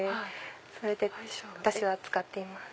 それで使っています。